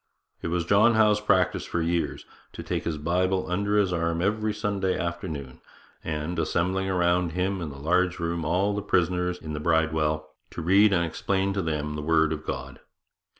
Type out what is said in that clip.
It was John Howe's practice for years 'to take his Bible under his arm every Sunday afternoon, and, assembling around him in the large room all the prisoners in the Bridewell, to read and explain to them the Word of God.